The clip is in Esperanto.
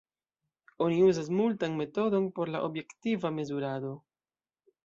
Oni uzas multan metodon por la objektiva mezurado.